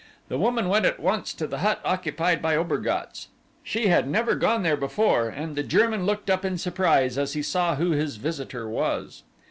The woman went at once to the hut occupied by Obergatz. She had never gone there before and the German looked up in surprise as he saw who his visitor was.